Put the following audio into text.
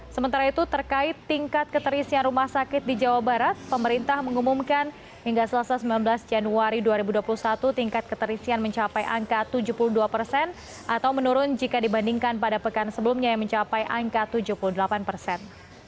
sementara itu terkait tingkat keterisian rumah sakit di jawa barat pemerintah mengumumkan hingga selesai sembilan belas januari dua ribu dua puluh satu tingkat keterisian mencapai angka tujuh puluh dua persen atau menurun jika dibandingkan pada pekan sebelumnya yang mencapai angka tujuh puluh delapan persen